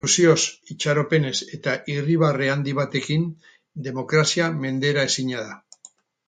Ilusioz, itxaropenez eta irribarre handi batekin, demokrazia menderaezina da.